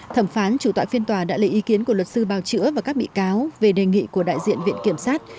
thẩm phán chủ tọa phiên tòa đã lấy ý kiến của luật sư bào chữa và các bị cáo về đề nghị của đại diện viện kiểm sát